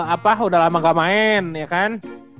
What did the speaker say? apa udah lama gak main ya kan